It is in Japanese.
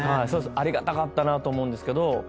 ありがたかったなと思うんですけど。